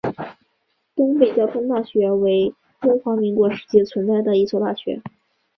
东北交通大学为中华民国时期存在的一所大学。